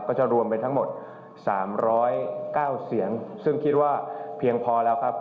ก็จะรวมเป็นทั้งหมดสามร้อยเก้าเสียงซึ่งคิดว่าเพียงพอแล้วครับ